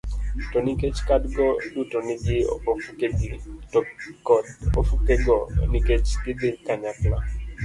To nikech kadgo duto nigi ofukegi, ti kod ofukego nikech gidhi kanyakla